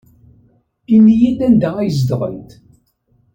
Ini-iyi-d anda ay zedɣent.